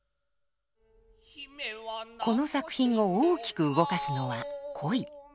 この作品を大きく動かすのは恋！